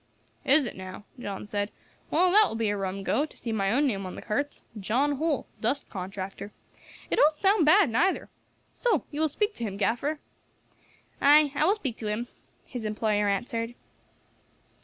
"Is it now?" John said. "Well, that will be a rum go, to see my own name on the carts, 'John Holl, Dust Contractor.' It don't sound bad, neither. So you will speak to him, gaffer?" "Ay, I will speak to him," his employer answered.